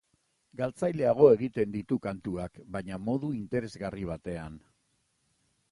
Galtzaileago egiten ditu kantuak, baina modu interesgarri batean.